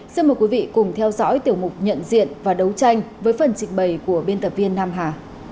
xin mời quý vị cùng theo dõi tiểu mục nhận diện và đấu tranh với phần trình bày của biên tập viên nam hà